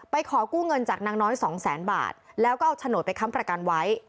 ขอกู้เงินจากนางน้อยสองแสนบาทแล้วก็เอาโฉนดไปค้ำประกันไว้